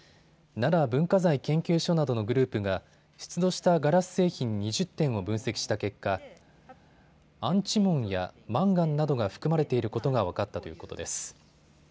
奈良文化財研究所などのグループが出土したガラス製品２０点を分析した結果、アンチモンやマンガンなどが含まれていることが分かったということです。